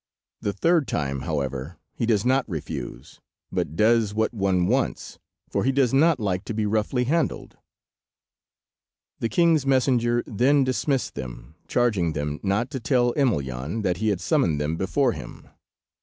The third time, however, he does not refuse, but does what one wants, for he does not like to be roughly handled." The king's messenger then dismissed them, charging them not to tell Emelyan that he had summoned them before him.